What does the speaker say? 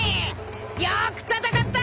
よく戦った！